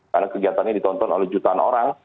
karena kegiatannya ditonton oleh jutaan orang